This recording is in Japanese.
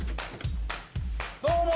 どうも。